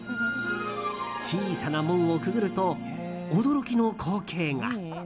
小さな門をくぐると驚きの光景が。